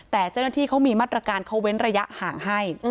แต่เจ้าหน้าที่เขามีมาตรการเขาเว้นระยะห่างให้